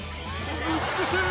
美しい！